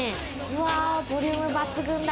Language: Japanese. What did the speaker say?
ボリューム抜群だ。